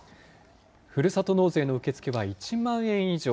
ふるさと納税の受け付けは１万円以上。